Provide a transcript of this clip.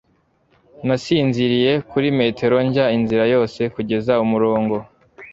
nasinziriye kuri metero njya inzira yose kugeza umurongo